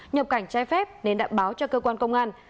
nhập cảnh trái phép nên đã báo cho cơ quan công an